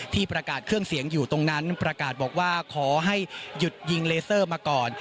ที่ประกาศเครื่องเสียงอยู่ตรงนั้นประกาศบอกว่าขอให้หยุดยิงเลเซอร์มาก่อน